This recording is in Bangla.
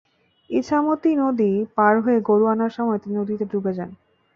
ইছামতী নদী পার হয়ে গরু আনার সময় তিনি নদীতে ডুবে যান।